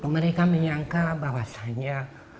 mereka menyangka bahwasannya